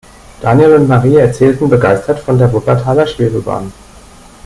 Daniel und Marie erzählten begeistert von der Wuppertaler Schwebebahn.